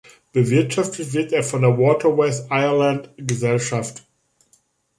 Bewirtschaftet wird er von der Waterways Ireland-Gesellschaft.